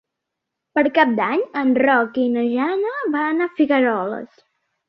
Per Cap d'Any en Roc i na Jana van a Figueroles.